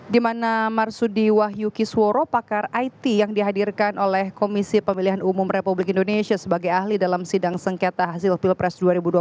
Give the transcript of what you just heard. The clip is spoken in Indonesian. di mana marsudi wahyu kisworo pakar it yang dihadirkan oleh komisi pemilihan umum republik indonesia sebagai ahli dalam sidang sengketa hasil pilpres dua ribu dua puluh